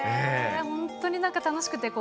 本当になんか楽しくて。